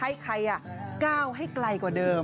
ให้ใครก้าวให้ไกลกว่าเดิม